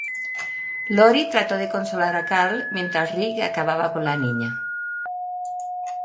Lori trató de consolar a Carl mientras Rick acababa con la niña.